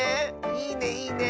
いいねいいね！